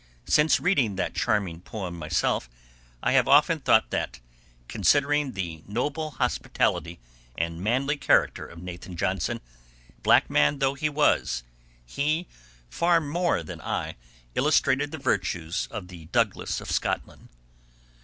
Since reading that charming poem myself, I have often thought that, considering the noble hospitality and manly character of Nathan Johnson—black man though he was—he, far more than I, illustrated the virtues of the Douglas of Scotland.